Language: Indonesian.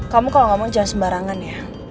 kamu kalau gak mau jangan sembarangan ya